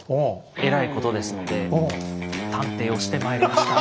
えらいことですので探偵をしてまいりました。